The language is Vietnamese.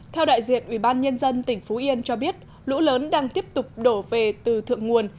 theo đại diện ubnd tỉnh phú yên cho biết lũ lớn đang tiếp tục đổ về từ thượng nguồn